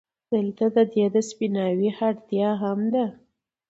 دلته د دې سپيناوي اړتيا هم ده،